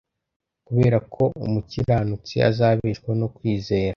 kubera ko umukiranutsi azabeshwaho no kwizera